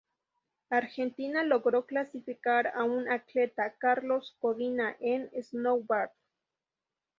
Argentina logró clasificar a un atleta, Carlos Codina en Snowboard.